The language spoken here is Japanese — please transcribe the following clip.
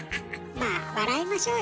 まあ笑いましょうよ。